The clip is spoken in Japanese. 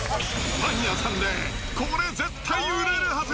パン屋さんでこれ絶対売れるはず。